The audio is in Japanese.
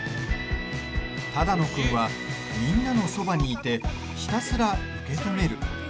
只野君は、みんなのそばにいてひたすら受け止める。